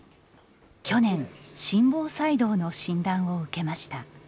去年、心房細動の診断を受けました。